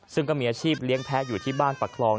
ซึ่งก็มีอาชีพเลี้ยงแพ้อยู่ที่บ้านประคลอง